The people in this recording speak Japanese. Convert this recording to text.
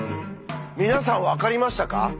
皆さん分かりましたか？